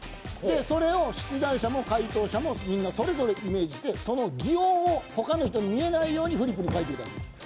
それを出題者も回答者も、みんなそれぞれイメージしてその擬音を他の人に見えないようにフリップに書いていただきます。